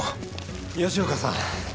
吉岡さん。